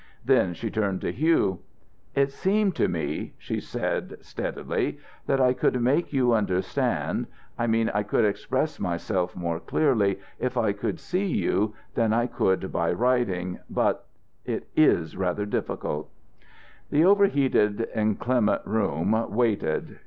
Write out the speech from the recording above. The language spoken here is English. Then she turned to Hugh. "It seemed to me," she said, steadily, "that I could make you understand I mean I could express myself more clearly if I could see you, than I could by writing, but it is rather difficult." The overheated, inclement room waited.